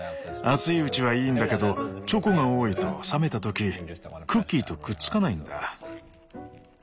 熱いうちはいいんだけどチョコが多いと冷めた時クッキーとくっつかないんだ。